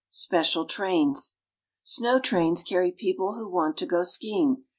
SPECIAL TRAINS Snow trains carry people who want to go skiing.